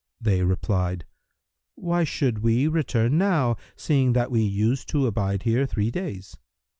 They replied, "Why should we return now, seeing that we use to abide here three days?"